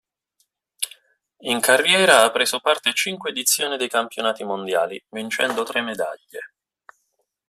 In carriera ha preso parte a cinque edizioni dei Campionati mondiali, vincendo tre medaglie.